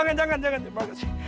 jangan jangan jangan terima kasih